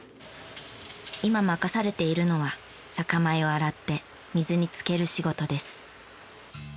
今任されているのは酒米を洗って水に漬ける仕事です。